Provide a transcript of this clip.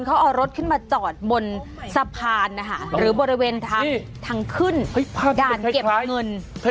เขาเอารถขึ้นมาจอดบนสะพานนะคะหรือบริเวณทางขึ้นด่านเก็บเงิน